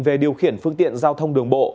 về điều khiển phương tiện giao thông đường bộ